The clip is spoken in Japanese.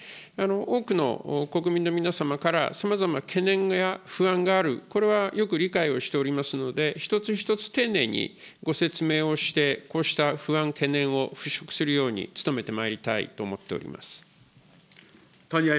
多くの国民の皆様からさまざまな懸念や不安がある、これはよく理解をしておりますので、一つ一つ丁寧にご説明をして、こうした不安、懸念を払拭するように努めてまいりたいと思ってお谷合